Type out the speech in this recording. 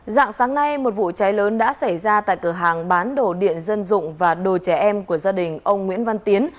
dạng sáng nay một vụ cháy lớn đã xảy ra tại cửa hàng bán đồ điện dân dụng và đồ trẻ em của gia đình ông nguyễn văn tiến